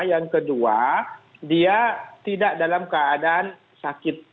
yang kedua dia tidak dalam keadaan sakit